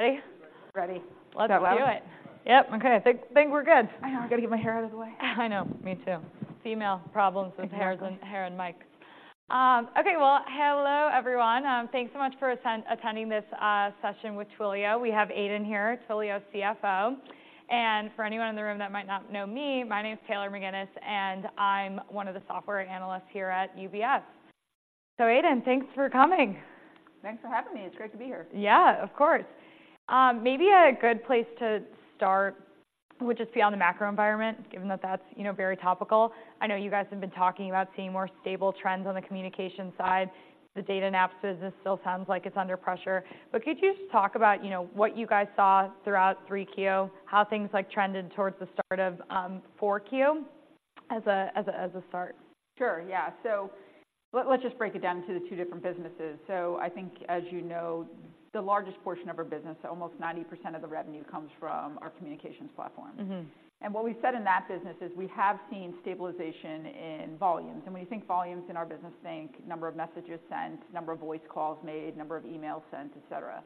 Okay, well, hello everyone. Thanks so much for attending this session with Twilio. We have Aidan here, Twilio's CFO. And for anyone in the room that might not know me, my name is Taylor McGinnis, and I'm one of the software analysts here at UBS. So Aidan, thanks for coming. Thanks for having me. It's great to be here. Yeah, of course. Maybe a good place to start would just be on the macro environment, given that that's, you know, very topical. I know you guys have been talking about seeing more stable trends on the communication side. The data and apps business still sounds like it's under pressure. But could you just talk about, you know, what you guys saw throughout 3Q, how things like trended towards the start of 4Q as a start? Sure, yeah. So let's just break it down into the two different businesses. So I think, as you know, the largest portion of our business, almost 90% of the revenue, comes from our communications platform. Mm-hmm. What we've said in that business is we have seen stabilization in volumes. And when you think volumes in our business, think number of messages sent, number of voice calls made, number of emails sent, et cetera.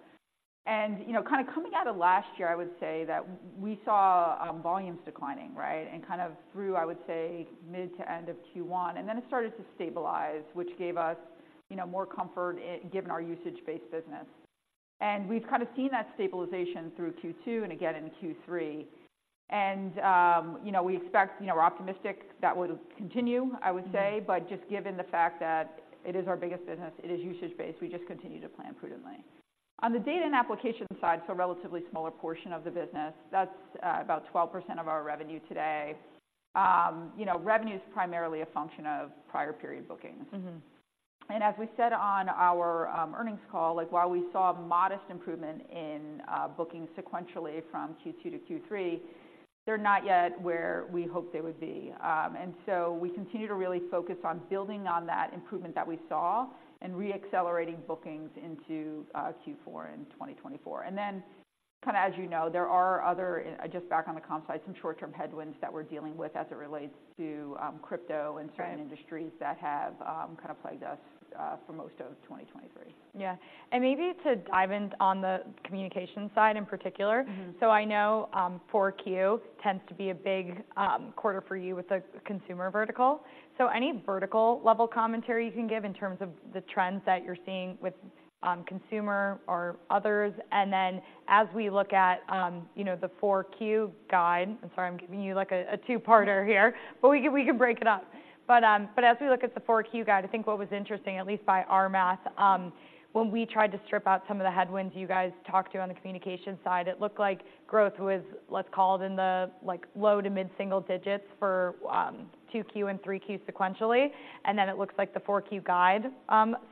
And, you know, kinda coming out of last year, I would say that we saw volumes declining, right? And kind of through, I would say, mid to end of Q1, and then it started to stabilize, which gave us, you know, more comfort in given our usage-based business. And we've kinda seen that stabilization through Q2 and again in Q3. And, you know, we expect... You know, we're optimistic that would continue, I would say. Mm-hmm. But just given the fact that it is our biggest business, it is usage-based, we just continue to plan prudently. On the Data and Applications side, so a relatively smaller portion of the business, that's about 12% of our revenue today. You know, revenue is primarily a function of prior period bookings. Mm-hmm. And as we said on our earnings call, like, while we saw a modest improvement in bookings sequentially from Q2 to Q3, they're not yet where we hoped they would be. And so we continue to really focus on building on that improvement that we saw and reaccelerating bookings into Q4 in 2024. And then, kinda as you know, there are other just back on the comm side, some short-term headwinds that we're dealing with as it relates to crypto- Right... and certain industries that have kinda plagued us for most of 2023. Yeah. Maybe to dive in on the communication side in particular- Mm-hmm... So I know, 4Q tends to be a big quarter for you with the consumer vertical. So any vertical level commentary you can give in terms of the trends that you're seeing with consumer or others? And then as we look at, you know, the 4Q guide, I'm sorry, I'm giving you, like, a two-parter here, but we can break it up. But, but as we look at the 4Q guide, I think what was interesting, at least by our math, when we tried to strip out some of the headwinds you guys talked to on the communication side, it looked like growth was, let's call it, in the, like, low to mid-single digits for 2Q and 3Q sequentially. And then it looks like the 4Q guide,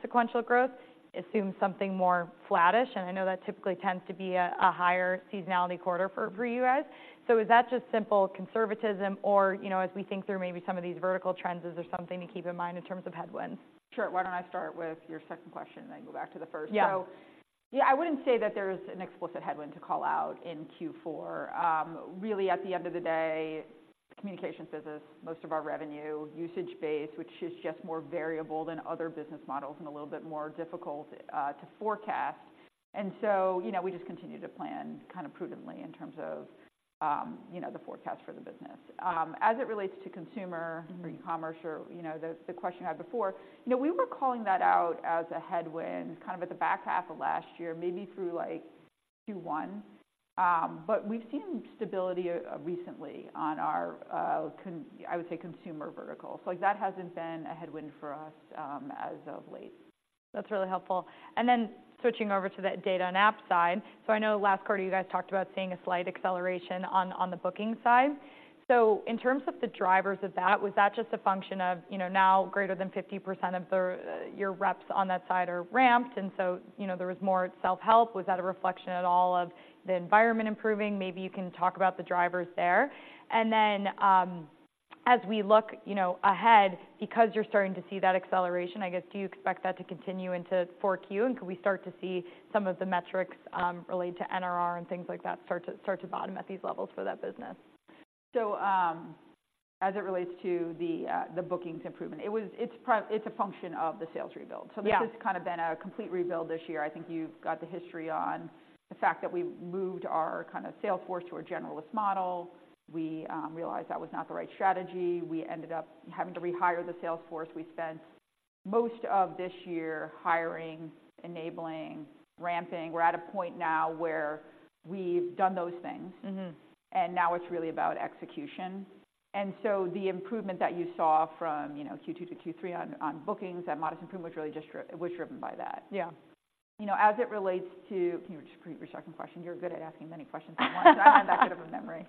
sequential growth assumes something more flattish, and I know that typically tends to be a higher seasonality quarter for you guys. So is that just simple conservatism or, you know, as we think through maybe some of these vertical trends, is there something to keep in mind in terms of headwinds? Sure. Why don't I start with your second question, then go back to the first? Yeah. So yeah, I wouldn't say that there's an explicit headwind to call out in Q4. Really, at the end of the day, communications business, most of our revenue, usage-based, which is just more variable than other business models and a little bit more difficult to forecast. And so, you know, we just continue to plan kind of prudently in terms of, you know, the forecast for the business. As it relates to consumer- Mm-hmm... or e-commerce or, you know, the question you had before, you know, we were calling that out as a headwind kind of at the back half of last year, maybe through, like, Q1. But we've seen stability recently on our consumer vertical. So, like, that hasn't been a headwind for us as of late. That's really helpful. And then switching over to that data and app side, so I know last quarter, you guys talked about seeing a slight acceleration on, on the booking side. So in terms of the drivers of that, was that just a function of, you know, now greater than 50% of the, your reps on that side are ramped, and so, you know, there was more self-help? Was that a reflection at all of the environment improving? Maybe you can talk about the drivers there. And then, as we look, you know, ahead, because you're starting to see that acceleration, I guess, do you expect that to continue into 4Q, and could we start to see some of the metrics, related to NRR and things like that start to, start to bottom at these levels for that business? As it relates to the bookings improvement, it's a function of the sales rebuild. Yeah. So this has kinda been a complete rebuild this year. I think you've got the history on the fact that we moved our kinda sales force to a generalist model. We realized that was not the right strategy. We ended up having to rehire the sales force. We spent most of this year hiring, enabling, ramping. We're at a point now where we've done those things- Mm-hmm... and now it's really about execution. And so the improvement that you saw from, you know, Q2 to Q3 on bookings, that modest improvement was really just—it was driven by that. Yeah. You know, as it relates to... Can you just repeat your second question? You're good at asking many questions at once. I have that good of a memory.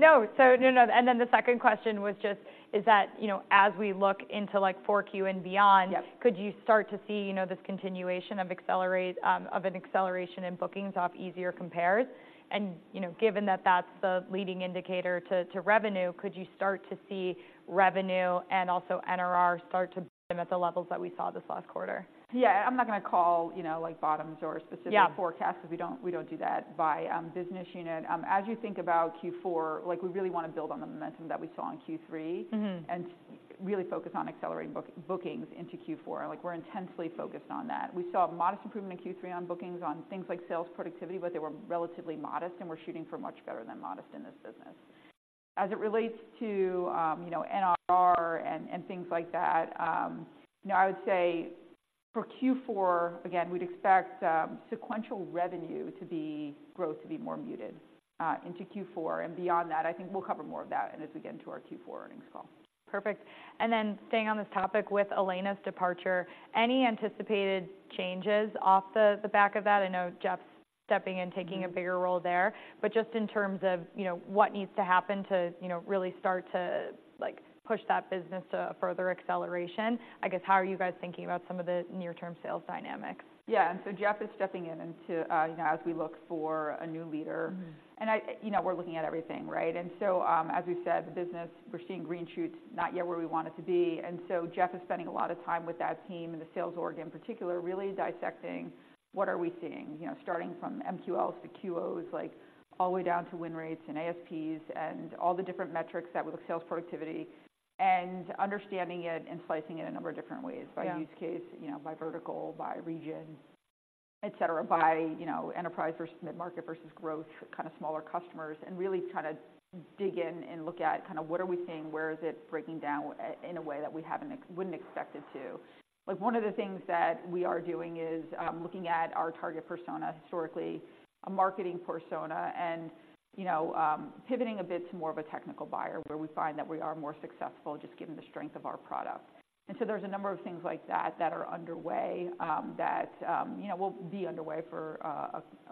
No. So no, no, and then the second question was just, is that, you know, as we look into, like, 4Q and beyond- Yep... could you start to see, you know, this continuation of accelerate, of an acceleration in bookings off easier compares? And, you know, given that that's the leading indicator to revenue, could you start to see revenue and also NRR start to at the levels that we saw this last quarter? Yeah. I'm not gonna call, you know, like, bottoms or- Yeah.... specific forecasts, because we don't, we don't do that by business unit. As you think about Q4, like, we really wanna build on the momentum that we saw in Q3- Mm-hmm... and really focus on accelerating bookings into Q4. Like, we're intensely focused on that. We saw a modest improvement in Q3 on bookings on things like sales productivity, but they were relatively modest, and we're shooting for much better than modest in this business.... as it relates to, you know, NRR and things like that, you know, I would say for Q4, again, we'd expect sequential revenue growth to be more muted into Q4. And beyond that, I think we'll cover more of that as we get into our Q4 earnings call. Perfect. And then staying on this topic with Elena's departure, any anticipated changes off the back of that? I know Jeff's stepping in, taking a bigger role there. Mm-hmm. But just in terms of, you know, what needs to happen to, you know, really start to, like, push that business to a further acceleration, I guess, how are you guys thinking about some of the near-term sales dynamics? Yeah. So Jeff is stepping into, you know, as we look for a new leader. Mm-hmm. you know, we're looking at everything, right? And so, as we've said, the business, we're seeing green shoots, not yet where we want it to be. And so Jeff is spending a lot of time with that team and the sales org, in particular, really dissecting what are we seeing, you know, starting from MQL to QOs, like, all the way down to win rates and ASPs and all the different metrics that with sales productivity, and understanding it and slicing it a number of different ways- Yeah... by use case, you know, by vertical, by region, et cetera, by, you know, enterprise versus mid-market versus growth, kind of smaller customers, and really try to dig in and look at kind of what are we seeing, where is it breaking down in a way that we wouldn't expect it to. Like, one of the things that we are doing is looking at our target persona, historically, a marketing persona, and, you know, pivoting a bit to more of a technical buyer, where we find that we are more successful just given the strength of our product. And so there's a number of things like that that are underway, that, you know, will be underway for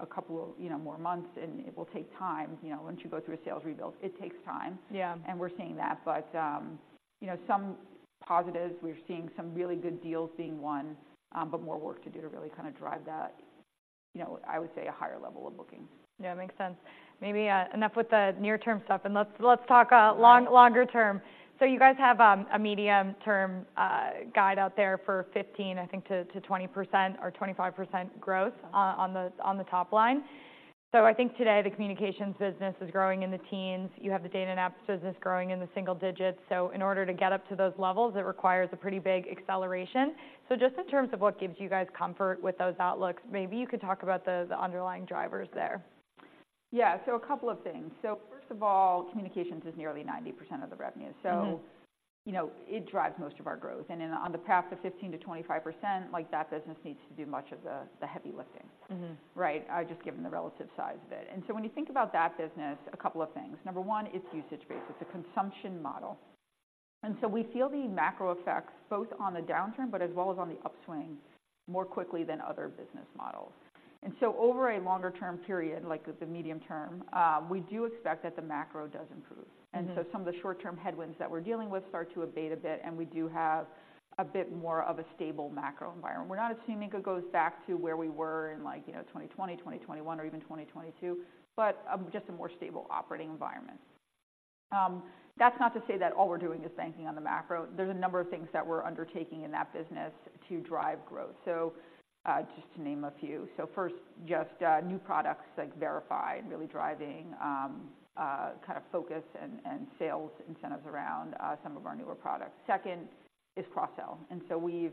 a couple of, you know, more months, and it will take time. You know, once you go through a sales rebuild, it takes time. Yeah. We're seeing that, but, you know, some positives, we're seeing some really good deals being won, but more work to do to really kind of drive that, you know, I would say, a higher level of bookings. Yeah, makes sense. Maybe enough with the near-term stuff, and let's talk, Right... longer term. So you guys have a medium-term guide out there for 15%, I think, to 20% or 25% growth- Yeah... on the top line. So I think today the communications business is growing in the teens. You have the data and apps business growing in the single digits. So in order to get up to those levels, it requires a pretty big acceleration. So just in terms of what gives you guys comfort with those outlooks, maybe you could talk about the underlying drivers there. Yeah, so a couple of things. First of all, Communications is nearly 90% of the revenue. Mm-hmm. You know, it drives most of our growth. Then on the path to 15%-25%, like, that business needs to do much of the heavy lifting. Mm-hmm. Right? Just given the relative size of it. And so when you think about that business, a couple of things. Number one, it's usage-based. It's a consumption model. And so we feel the macro effects, both on the downturn, but as well as on the upswing, more quickly than other business models. And so over a longer-term period, like the medium term, we do expect that the macro does improve. Mm-hmm. And so some of the short-term headwinds that we're dealing with start to abate a bit, and we do have a bit more of a stable macro environment. We're not assuming it goes back to where we were in like, you know, 2020, 2021, or even 2022, but just a more stable operating environment. That's not to say that all we're doing is banking on the macro. There's a number of things that we're undertaking in that business to drive growth. So just to name a few. So first, just new products like Verify, really driving kind of focus and sales incentives around some of our newer products. Second is cross-sell. And so we've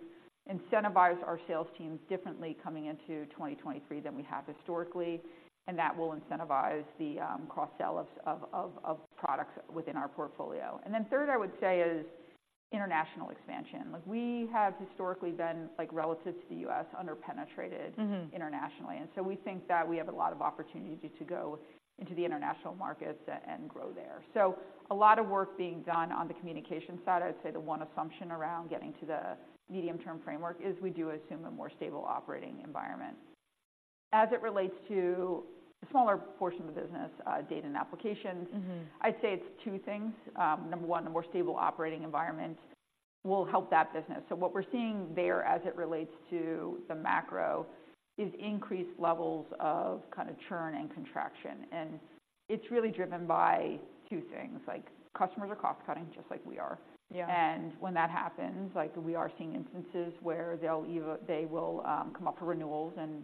incentivized our sales teams differently coming into 2023 than we have historically, and that will incentivize the cross-sell of products within our portfolio. And then third, I would say, is international expansion. Like, we have historically been, like, relative to the U.S., underpenetrated- Mm-hmm ...internationally, and so we think that we have a lot of opportunity to go into the international markets and grow there. So a lot of work being done on the communication side. I'd say the one assumption around getting to the medium-term framework is we do assume a more stable operating environment. As it relates to the smaller portion of the business, data and applications- Mm-hmm... I'd say it's two things: number one, a more stable operating environment will help that business. So what we're seeing there as it relates to the macro is increased levels of kind of churn and contraction, and it's really driven by two things, like, customers are cost-cutting just like we are. Yeah. And when that happens, like, we are seeing instances where they'll either they will come up for renewals and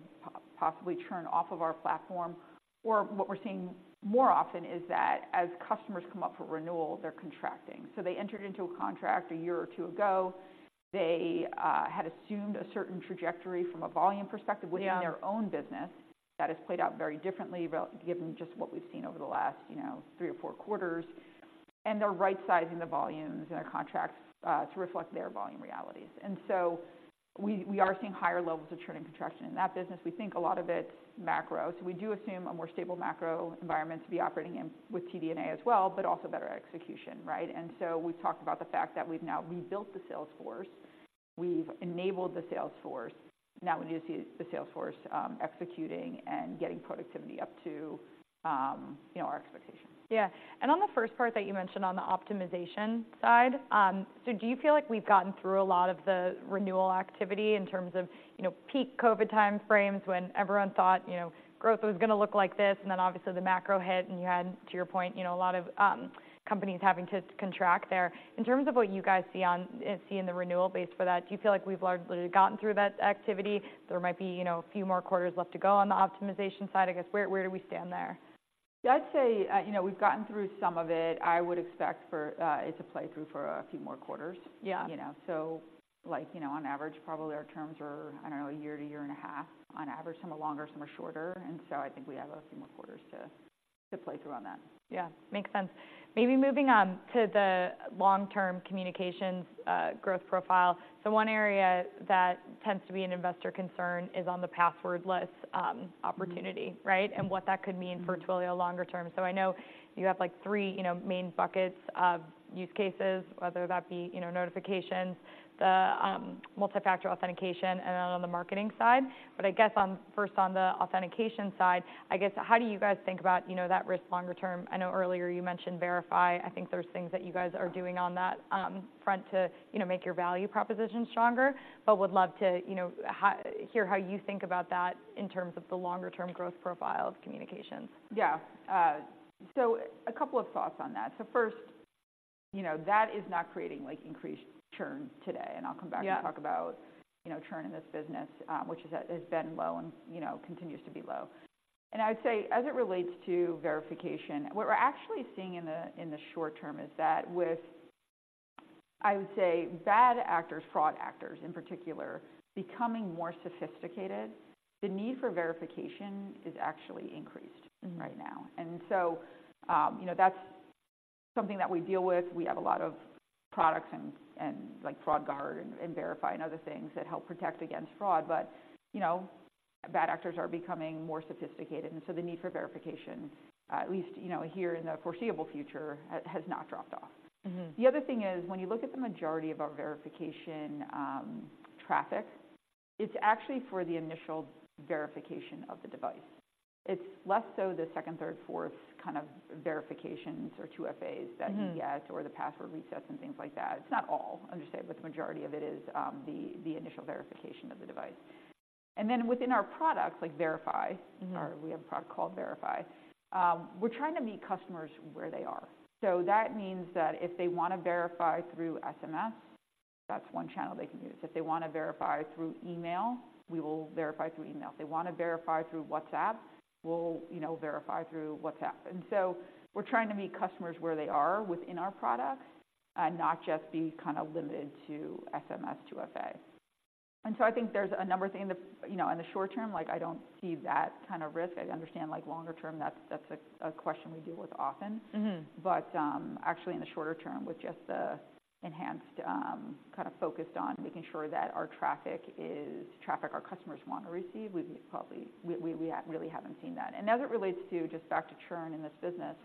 possibly churn off of our platform, or what we're seeing more often is that as customers come up for renewal, they're contracting. So they entered into a contract a year or two ago. They had assumed a certain trajectory from a volume perspective. Yeah... within their own business. That has played out very differently given just what we've seen over the last, you know, three or four quarters, and they're right-sizing the volumes and their contracts to reflect their volume realities. And so we, we are seeing higher levels of churn and contraction. In that business, we think a lot of it's macro, so we do assume a more stable macro environment to be operating in with TD&A as well, but also better execution, right? And so we've talked about the fact that we've now rebuilt the sales force. We've enabled the sales force. Now we need to see the sales force executing and getting productivity up to, you know, our expectations. Yeah. And on the first part that you mentioned on the optimization side, so do you feel like we've gotten through a lot of the renewal activity in terms of, you know, peak COVID time frames, when everyone thought, you know, growth was gonna look like this, and then obviously, the macro hit, and you had, to your point, you know, a lot of companies having to contract there? In terms of what you guys see in the renewal base for that, do you feel like we've largely gotten through that activity? There might be, you know, a few more quarters left to go on the optimization side, I guess, where do we stand there? I'd say, you know, we've gotten through some of it. I would expect for it to play through for a few more quarters. Yeah. You know, so, like, you know, on average, probably our terms are, I don't know, one year to 1.5 years on average. Some are longer, some are shorter, and so I think we have a few more quarters to go… to play through on that. Yeah, makes sense. Maybe moving on to the long-term communications growth profile. So one area that tends to be an investor concern is on the passwordless opportunity, right? Mm-hmm. And what that could mean- Mm-hmm For Twilio longer term. So I know you have, like, three, you know, main buckets of use cases, whether that be, you know, notifications, the, multi-factor authentication, and then on the marketing side. But I guess first on the authentication side, I guess, how do you guys think about, you know, that risk longer term? I know earlier you mentioned Verify. I think there's things that you guys are doing on that front to, you know, make your value proposition stronger. But would love to, you know, hear how you think about that in terms of the longer term growth profile of communications. Yeah. So a couple of thoughts on that. So first, you know, that is not creating, like, increased churn today. Yeah. I'll come back and talk about, you know, churn in this business, which is that has been low and, you know, continues to be low. I'd say, as it relates to verification, what we're actually seeing in the short term is that with, I would say, bad actors, fraud actors in particular, becoming more sophisticated, the need for verification is actually increased- Mm-hmm -right now. And so, you know, that's something that we deal with. We have a lot of products and like Fraud Guard and Verify and other things that help protect against fraud. But, you know, bad actors are becoming more sophisticated, and so the need for verification, at least, you know, here in the foreseeable future, has not dropped off. Mm-hmm. The other thing is, when you look at the majority of our verification traffic, it's actually for the initial verification of the device. It's less so the second, third, fourth kind of verifications or 2FAs that you get- Mm-hmm.... or the password resets and things like that. It's not all, understand, but the majority of it is, the initial verification of the device. And then within our products, like Verify- Mm-hmm. or we have a product called Verify. We're trying to meet customers where they are. So that means that if they want to verify through SMS, that's one channel they can use. If they want to verify through email, we will verify through email. If they want to verify through WhatsApp, we'll, you know, verify through WhatsApp. And so we're trying to meet customers where they are within our products, and not just be kind of limited to SMS, 2FA. And so I think there's a number of things. You know, in the short term, like, I don't see that kind of risk. I understand like longer term, that's, that's a, a question we deal with often. Mm-hmm. But, actually, in the shorter term, with just the enhanced, kind of focused on making sure that our traffic is traffic our customers want to receive, we probably, we really haven't seen that. And as it relates to just back to churn in this business,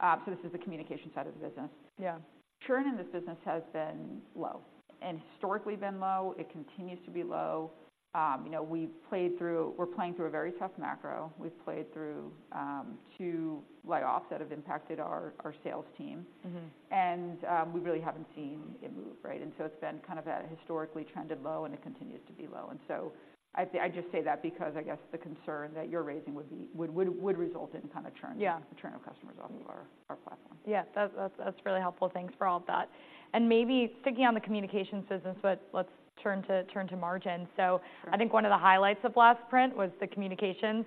so this is the communication side of the business. Yeah. Churn in this business has been low and historically been low. It continues to be low. You know, we've played through. We're playing through a very tough macro. We've played through two layoffs that have impacted our sales team. Mm-hmm. We really haven't seen it move, right? And so it's been kind of that historically trended low, and it continues to be low. And so I just say that because I guess the concern that you're raising would result in kind of churn- Yeah... churn of customers off of our platform. Yeah, that's really helpful. Thanks for all of that. And maybe sticking on the communication system, so let's turn to margin. Sure. So I think one of the highlights of last print was the communications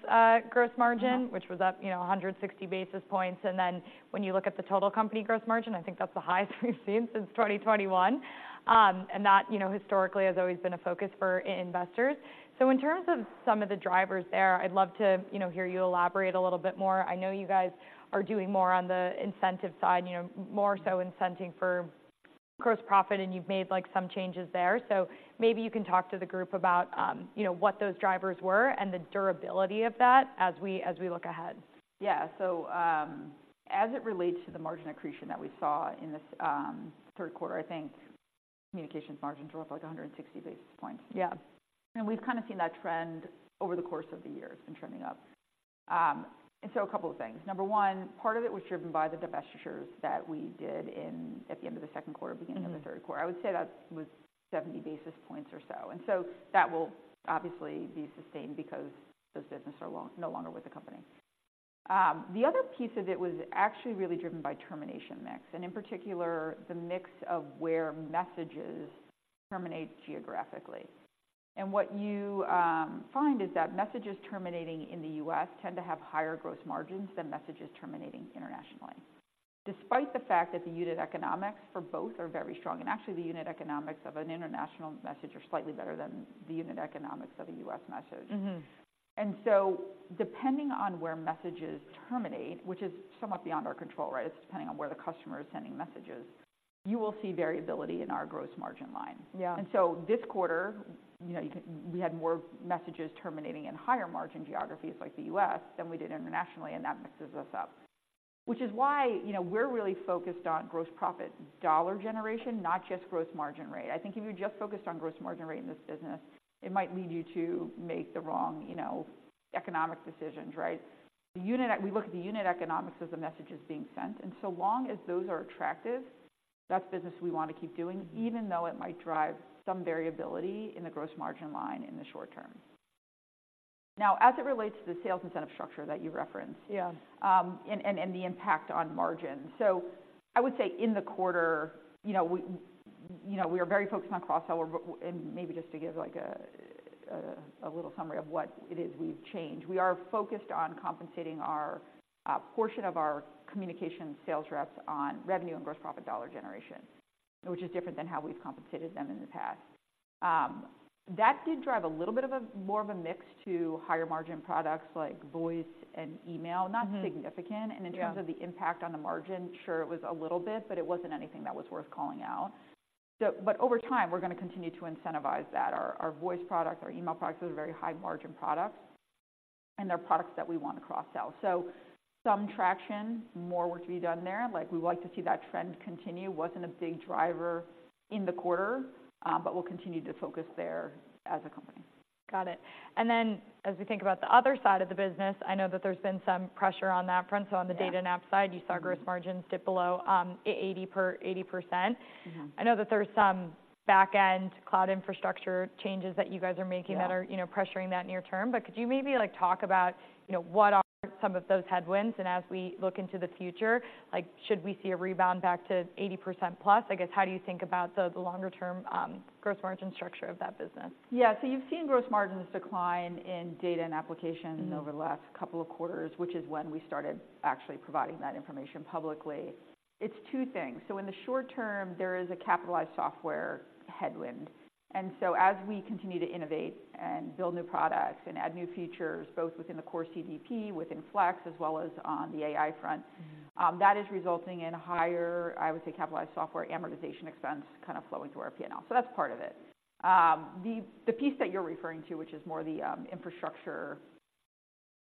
gross margin- Yeah... which was up, you know, 160 basis points. And then when you look at the total company gross margin, I think that's the highest we've seen since 2021. And that, you know, historically has always been a focus for investors. So in terms of some of the drivers there, I'd love to, you know, hear you elaborate a little bit more. I know you guys are doing more on the incentive side, you know, more so incenting for gross profit, and you've made, like, some changes there. So maybe you can talk to the group about, you know, what those drivers were and the durability of that as we, as we look ahead. Yeah. So, as it relates to the margin accretion that we saw in this third quarter, I think Communications margins were up like 160 basis points. Yeah. We've kind of seen that trend over the course of the year. It's been trending up. So a couple of things. Number one, part of it was driven by the divestitures that we did at the end of the second quarter- Mm-hmm... beginning of the third quarter. I would say that was 70 basis points or so. And so that will obviously be sustained because those businesses are no longer with the company. The other piece of it was actually really driven by termination mix, and in particular, the mix of where messages terminate geographically. And what you find is that messages terminating in the U.S. tend to have higher gross margins than messages terminating internationally. Despite the fact that the unit economics for both are very strong, and actually, the unit economics of an international message are slightly better than the unit economics of a U.S. message. Mm-hmm. Depending on where messages terminate, which is somewhat beyond our control, right? It's depending on where the customer is sending messages, you will see variability in our gross margin line. Yeah. And so this quarter, you know, we had more messages terminating in higher margin geographies like the U.S. than we did internationally, and that mixes us up. Which is why, you know, we're really focused on gross profit dollar generation, not just gross margin rate. I think if you just focused on gross margin rate in this business, it might lead you to make the wrong, you know, economic decisions, right? The unit economics we look at the unit economics as the message is being sent, and so long as those are attractive, that's business we want to keep doing- Mm-hmm... even though it might drive some variability in the gross margin line in the short term. Now, as it relates to the sales incentive structure that you referenced- Yeah... and the impact on margin. So I would say in the quarter, you know, we, you know, we are very focused on cross-sell, but and maybe just to give, like, a little summary of what it is we've changed. We are focused on compensating our portion of our communication sales reps on revenue and gross profit dollar generation, which is different than how we've compensated them in the past.... That did drive a little bit of a more of a mix to higher margin products like voice and email. Mm-hmm. Not significant. Yeah. In terms of the impact on the margin, sure, it was a little bit, but it wasn't anything that was worth calling out. So, but over time, we're gonna continue to incentivize that. Our voice product, our email product is a very high margin product, and they're products that we want to cross-sell. So some traction, more work to be done there. Like, we would like to see that trend continue. Wasn't a big driver in the quarter, but we'll continue to focus there as a company. Got it. And then as we think about the other side of the business, I know that there's been some pressure on that front. Yeah. So on the data and app side, you saw gross margins dip below 80%. Mm-hmm. I know that there's some back-end cloud infrastructure changes that you guys are making- Yeah that are, you know, pressuring that near term. But could you maybe, like, talk about, you know, what are some of those headwinds? And as we look into the future, like, should we see a rebound back to 80%+? I guess, how do you think about the longer term gross margin structure of that business? Yeah. So you've seen gross margins decline in Data and Applications- Mm-hmm Over the last couple of quarters, which is when we started actually providing that information publicly. It's two things: So in the short term, there is a capitalized software headwind, and so as we continue to innovate and build new products and add new features, both within the core CDP, within Flex, as well as on the AI front- Mm-hmm... that is resulting in higher, I would say, capitalized software amortization expense kind of flowing through our P&L. So that's part of it. The piece that you're referring to, which is more the infrastructure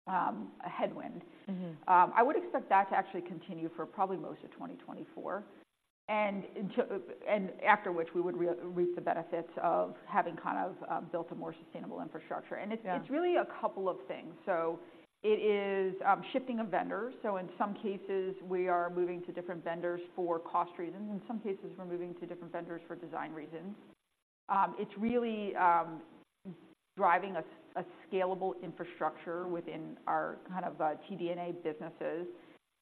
headwind- Mm-hmm... I would expect that to actually continue for probably most of 2024, and after which, we would reap the benefits of having kind of built a more sustainable infrastructure. Yeah. It's really a couple of things. So it is shifting of vendors. So in some cases, we are moving to different vendors for cost reasons, in some cases, we're moving to different vendors for design reasons. It's really driving a scalable infrastructure within our kind of TD&A businesses,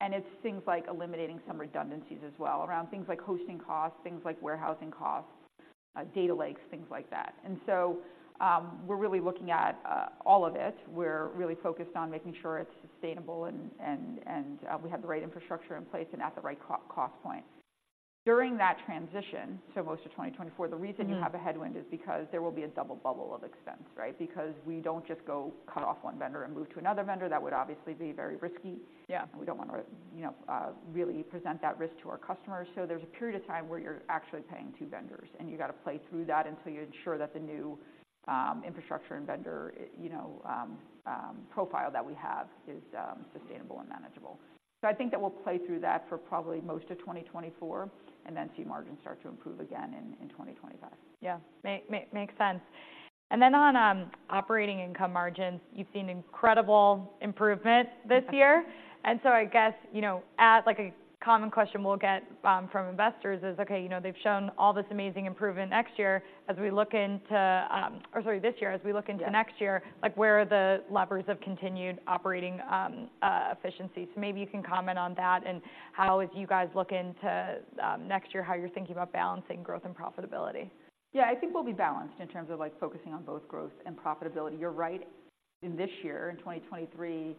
and it's things like eliminating some redundancies as well, around things like hosting costs, things like warehousing costs, data lakes, things like that. And so, we're really looking at all of it. We're really focused on making sure it's sustainable and we have the right infrastructure in place and at the right cost point. During that transition, so most of 2024- Mm-hmm... the reason you have a headwind is because there will be a double bubble of expense, right? Because we don't just go cut off one vendor and move to another vendor. That would obviously be very risky. Yeah. We don't want to, you know, really present that risk to our customers. So there's a period of time where you're actually paying two vendors, and you got to play through that until you ensure that the new infrastructure and vendor, you know, profile that we have is sustainable and manageable. So I think that we'll play through that for probably most of 2024, and then see margins start to improve again in 2025. Yeah. Makes sense. And then on operating income margins, you've seen incredible improvement this year. Yeah. And so I guess, you know, at, like a common question we'll get from investors is: Okay, you know, they've shown all this amazing improvement next year as we look into, or, sorry, this year, as we look into- Yeah Next year, like, where are the levers of continued operating efficiency? So maybe you can comment on that and how, as you guys look into next year, how you're thinking about balancing growth and profitability. Yeah, I think we'll be balanced in terms of, like, focusing on both growth and profitability. You're right, in this year, in 2023,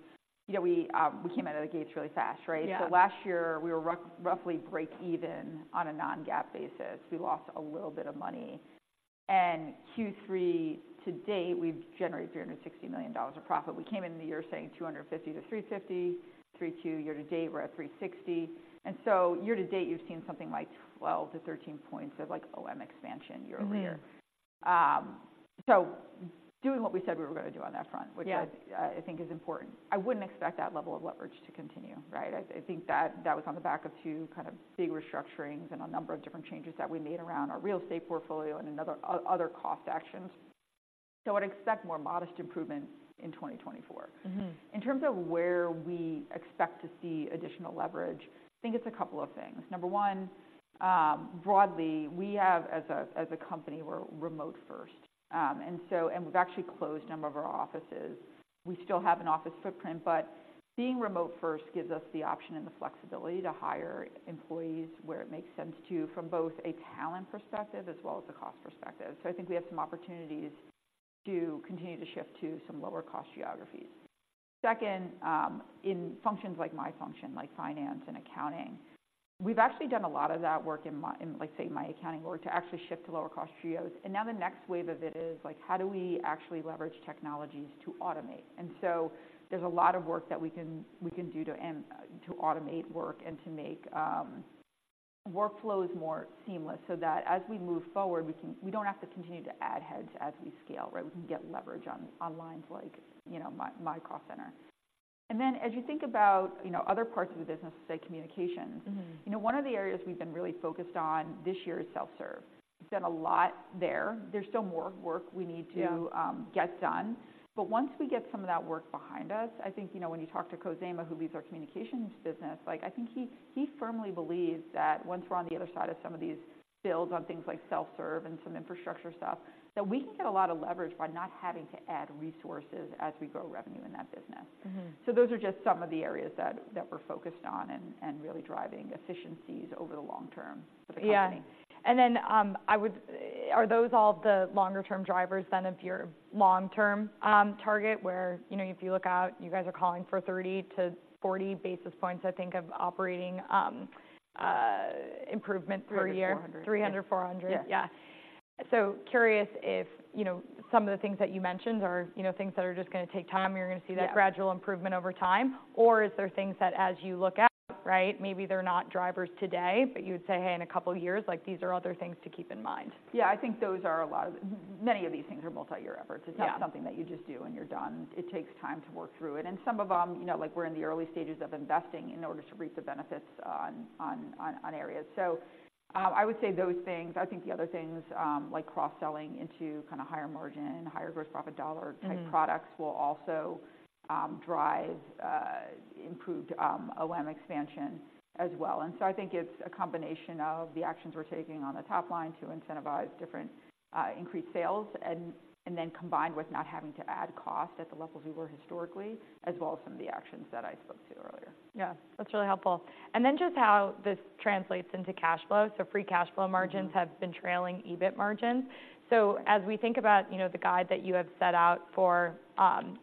you know, we, we came out of the gates really fast, right? Yeah. So last year, we were roughly break even on a non-GAAP basis. We lost a little bit of money. And Q3 to date, we've generated $360 million of profit. We came into the year saying $250 million-$350 million. Year to date, we're at 360. And so year to date, you've seen something like 12-13 points of, like, OM expansion year-over-year. Mm-hmm. So doing what we said we were gonna do on that front- Yeah which I, I think is important. I wouldn't expect that level of leverage to continue, right? I, I think that that was on the back of two kind of big restructurings and a number of different changes that we made around our real estate portfolio and another, other cost actions. So I'd expect more modest improvements in 2024. Mm-hmm. In terms of where we expect to see additional leverage, I think it's a couple of things. Number one, broadly, we have, as a company, we're remote first. And we've actually closed a number of our offices. We still have an office footprint, but being remote first gives us the option and the flexibility to hire employees where it makes sense to, from both a talent perspective as well as a cost perspective. So I think we have some opportunities to continue to shift to some lower-cost geographies. Second, in functions like my function, like finance and accounting, we've actually done a lot of that work in, like, say, my accounting work, to actually shift to lower-cost geos. And now the next wave of it is, like, how do we actually leverage technologies to automate? And so there's a lot of work that we can, we can do to automate work and to make workflows more seamless so that as we move forward, we can, we don't have to continue to add heads as we scale, right? We can get leverage on, on lines like, you know, my, my call center. And then, as you think about, you know, other parts of the business, say communications- Mm-hmm You know, one of the areas we've been really focused on this year is self-serve. We've done a lot there. There's still more work we need to- Yeah... get done. But once we get some of that work behind us, I think, you know, when you talk to Khozema, who leads our communications business, like, I think he, he firmly believes that once we're on the other side of some of these builds on things like self-serve and some infrastructure stuff, that we can get a lot of leverage by not having to add resources as we grow revenue in that business. Mm-hmm. Those are just some of the areas that we're focused on and really driving efficiencies over the long term for the company. Yeah. And then, are those all the longer term drivers then of your long-term target, where, you know, if you look out, you guys are calling for 30-40 basis points, I think, of operating improvement per year. 300, 400. 300, 400. Yeah. Yeah. So curious if, you know, some of the things that you mentioned are, you know, things that are just going to take time, and you're going to see- Yeah That gradual improvement over time? Or is there things that as you look out, right, maybe they're not drivers today, but you would say, "Hey, in a couple of years," like, these are other things to keep in mind? Yeah, I think those are a lot of... Many of these things are multi-year efforts. Yeah. It's not something that you just do, and you're done. It takes time to work through it. And some of them, you know, like, we're in the early stages of investing in order to reap the benefits on areas. So, I would say those things. I think the other things, like cross-selling into kind of higher margin, higher gross profit dollar- Mm-hmm -type products, will also drive improved OM expansion as well. And so I think it's a combination of the actions we're taking on the top line to incentivize different increased sales, and then combined with not having to add cost at the levels we were historically, as well as some of the actions that I spoke to earlier. Yeah, that's really helpful. And then just how this translates into cash flow. So free cash flow margins- Mm-hmm -have been trailing EBIT margins. So as we think about, you know, the guide that you have set out for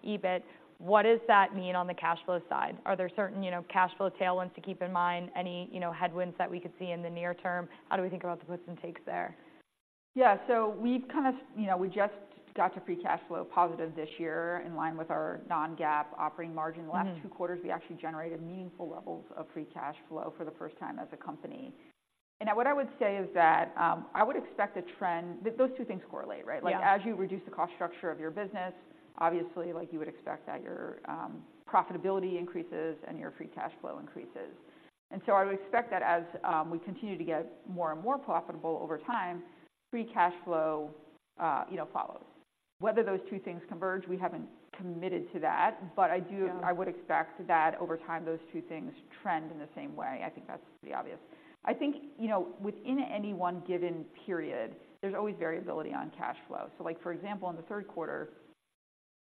EBIT, what does that mean on the cash flow side? Are there certain, you know, cash flow tailwinds to keep in mind, any, you know, headwinds that we could see in the near term? How do we think about the puts and takes there? Yeah, so we've kind of... You know, we just got to free cash flow positive this year, in line with our non-GAAP operating margin. Mm-hmm. The last two quarters, we actually generated meaningful levels of free cash flow for the first time as a company. What I would say is that, I would expect those two things correlate, right? Yeah. Like, as you reduce the cost structure of your business, obviously, like, you would expect that your profitability increases and your free cash flow increases. And so I would expect that as we continue to get more and more profitable over time, free cash flow, you know, follows. Whether those two things converge, we haven't committed to that, but I do- Yeah... I would expect that over time, those two things trend in the same way. I think that's pretty obvious. I think, you know, within any one given period, there's always variability on cash flow. So like, for example, in the third quarter,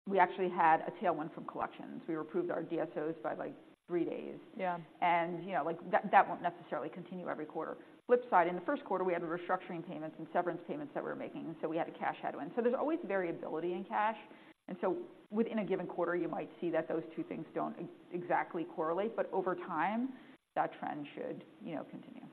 we actually had a tailwind from collections. We improved our DSOs by, like, three days. Yeah. You know, like, that, that won't necessarily continue every quarter. Flip side, in the first quarter, we had the restructuring payments and severance payments that we were making, so we had a cash headwind. So there's always variability in cash, and so within a given quarter, you might see that those two things don't exactly correlate, but over time, that trend should, you know, continue.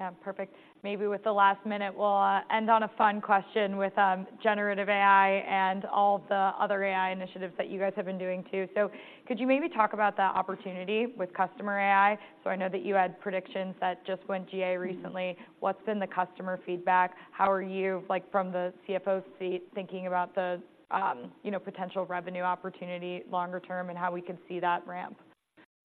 Yeah, perfect. Maybe with the last minute, we'll end on a fun question with generative AI and all the other AI initiatives that you guys have been doing too. So could you maybe talk about the opportunity with customerAI? So I know that you had Predictions that just went GA recently. What's been the customer feedback? How are you, like, from the CFO seat, thinking about the, you know, potential revenue opportunity longer term and how we could see that ramp?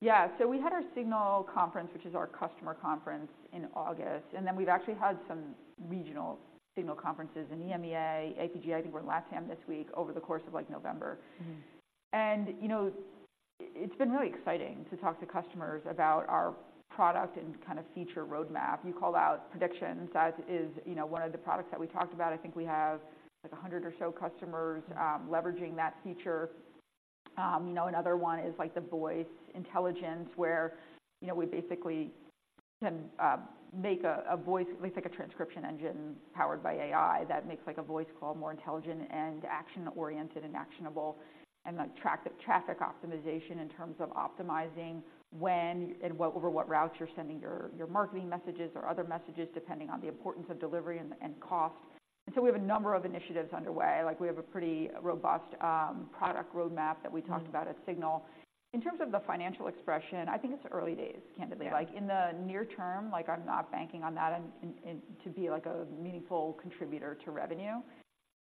Yeah. So we had our Signal conference, which is our customer conference, in August, and then we've actually had some regional Signal conferences in EMEA, APJ, I think, we're in Latin America this week, over the course of, like, November. Mm-hmm. And, you know, it's been really exciting to talk to customers about our product and kind of feature roadmap. You called out Predictions. That is, you know, one of the products that we talked about. I think we have, like, 100 or so customers- Mm-hmm Leveraging that feature. You know, another one is, like, the Voice Intelligence, where, you know, we basically can make a voice, at least like a transcription engine powered by AI, that makes a voice call more intelligent and action-oriented and actionable, and like, Traffic Optimization in terms of optimizing when and what, over what routes you're sending your marketing messages or other messages, depending on the importance of delivery and cost. And so we have a number of initiatives underway. Like, we have a pretty robust product roadmap that we talked- Mm-hmm about at Signal. In terms of the financial expression, I think it's early days, candidly. Yeah. Like, in the near term, like, I'm not banking on that and to be like a meaningful contributor to revenue.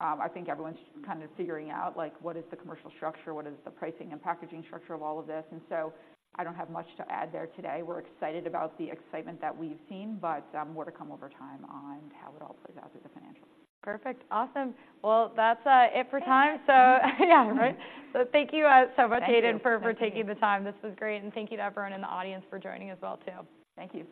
I think everyone's kind of figuring out, like, what is the commercial structure, what is the pricing and packaging structure of all of this? And so I don't have much to add there today. We're excited about the excitement that we've seen, but more to come over time on how it all plays out with the financials. Perfect. Awesome. Well, that's it for time. So yeah, right. So thank you so much- Thank you... Aidan, for taking the time. This was great, and thank you to everyone in the audience for joining as well, too. Thank you.